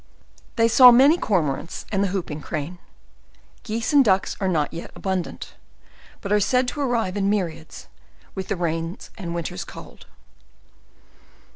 They saw many cormorants, and the hooping crane; geeee and ducks are not yet abundant^ but are said to arrive in myriads, with the rains and winter's cold.